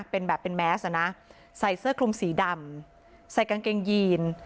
เป็นแบบเป็นแมสอ่ะนะใส่เสื้อคลุมสีดำใส่กางเกงยีน